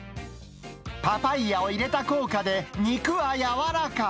パパイアを入れた効果で肉は柔らか。